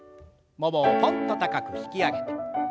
ももをとんっと高く引き上げて。